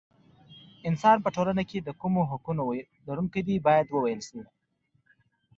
انسان په ټولنه کې د کومو حقونو لرونکی دی باید وویل شي.